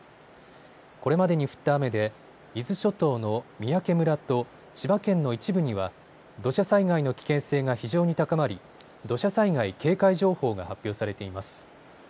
これまでに降った雨で伊豆諸島の三宅村と千葉県の一部には土砂災害の危険性が非常に高まり土砂災害警戒情報が発表されています。